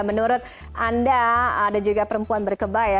menurut anda ada juga perempuan berkebaya